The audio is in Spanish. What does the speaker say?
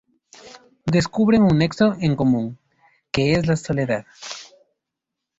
Descubren un nexo en común, que es la soledad.